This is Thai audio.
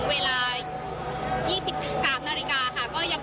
ตอนนี้เป็นครั้งหนึ่งครั้งหนึ่ง